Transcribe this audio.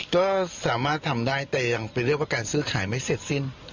ก็สามารถทำได้แต่ยังไปเรียกว่าการซื้อขายไม่เสร็จสิ้น